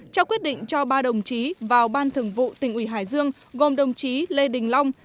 trao quyết định cho ba đồng chí vào ban thường vụ tỉnh ủy hải dương gồm đồng chí lê đình long